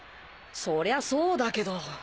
そりゃそうだけど。